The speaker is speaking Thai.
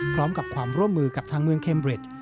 พร้อมกับความร่วมมือกับทางเมืองเคมเร็ด